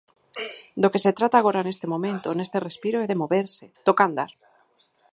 Do que se trata agora neste momento, neste respiro, é de moverse, toca andar.